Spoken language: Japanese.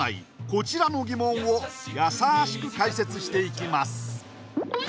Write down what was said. こちらの疑問をやさしく解説していきます